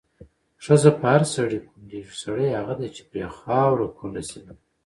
ښځه په هر سړي کونډيږي، سړی هغه دی چې پرې خاوره کونډه شينه